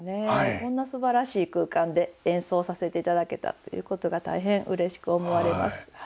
こんなすばらしい空間で演奏させていただけたっていうことが大変うれしく思われます。